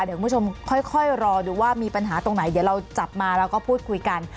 เดี๋ยวคุณผู้ชมค่อยรอดูว่ามีปัญหาตรงไหนเดี๋ยวเราจับมาแล้วก็พูดคุยกัน